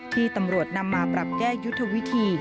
ที่ตำรวจนำมาปรับแก้ยุทธวิธี